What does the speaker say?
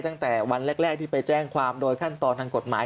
ตั้งแต่วันแรกที่ไปแจ้งความโดยขั้นตอนทางกฎหมาย